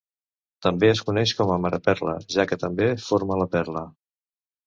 També es coneix com a mareperla, ja que també forma la perla.